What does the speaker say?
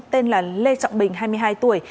tên là lê trọng bình hai mươi hai tuổi